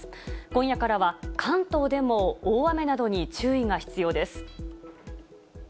今夜からは関東でも大雨などに注意が必要です。